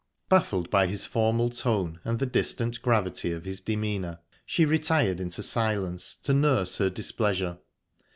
Baffled by his formal tone and the distant gravity of his demeanour, she retired into silence, to nurse her displeasure.